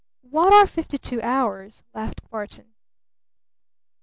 "What are fifty two hours?" laughed Barton.